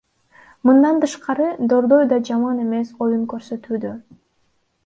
Мындан тышкары, Дордой да жаман эмес оюн көрсөтүүдө.